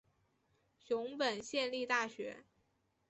熊本县立大学